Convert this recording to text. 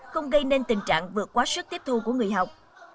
không gây nên tình trạng vượt quá sức tiếp thu của người học